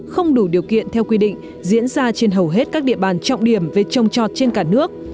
không đủ điều kiện theo quy định diễn ra trên hầu hết các địa bàn trọng điểm về trồng trọt trên cả nước